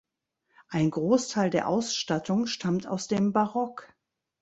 Ein Großteil der Ausstattung stammt aus dem Barock.